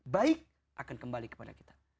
baik akan kembali kepada kita